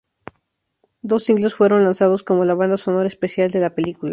Dos singles fueron lanzados como la banda sonora "especial" de la película.